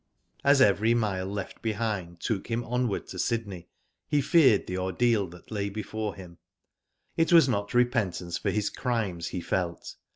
As every mile left behind took him onward to Sydney he feared the ordeal that lay before him. It was not repentance for his crimes he felt.